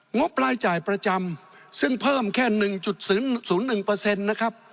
บรายจ่ายประจำซึ่งเพิ่มแค่๑๐๐๑นะครับ